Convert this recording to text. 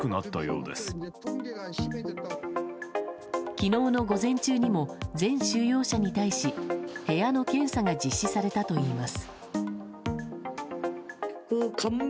昨日の午前中にも全収容者に対し部屋の検査が実施されたといいます。